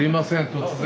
突然。